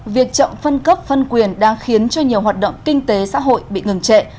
việc chậm phân cấp phân quyền đang khiến cho nhiều hoạt động kinh tế xã hội bị ngừng trệ